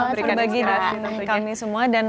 terima kasih banyak kami semua dan